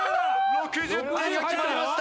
６０点が決まりました！